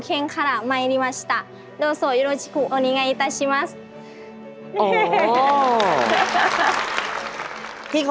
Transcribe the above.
ฟังไม่รู้เรื่องอะไรนอกจากบุรีรำคำเดียวเนี่ย